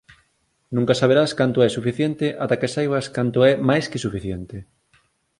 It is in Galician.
Nunca saberás canto é suficiente ata que saibas canto é máis que suficiente.